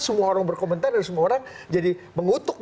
semua orang berkomentar dan semua orang jadi mengutuk